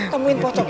temuin pocong ya